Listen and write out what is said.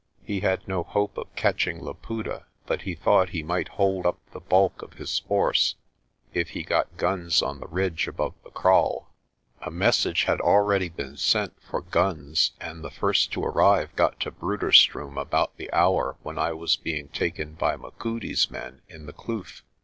He had no hope of catching Laputa but he thought he might hold up the bulk of his force if he got guns on the ridge above the kraal. A mes sage had already been sent for guns and the first to arrive got to Bruderstroom about the hour when I was being taken by Machudi's men in the kloof.